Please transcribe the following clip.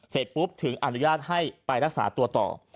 เสร็จปุ๊บถึงอนุญาตให้ไปรักษาตัวต่อ